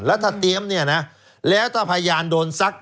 แล้วถ้าเตียมเนี้ยนะ